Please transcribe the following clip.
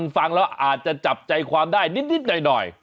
ฟังแล้วอาจจะจับใจความได้นิดหน่อย